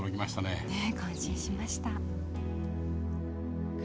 ねえ感心しました。